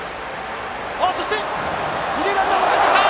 そして二塁ランナーもかえってきた！